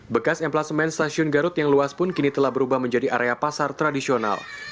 bekas emplasemen stasiun garut yang luas pun kini telah berubah menjadi area pasar tradisional